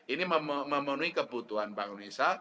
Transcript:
ini memenuhi kebutuhan bank indonesia